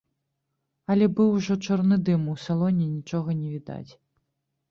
Але быў ужо чорны дым, у салоне нічога не відаць.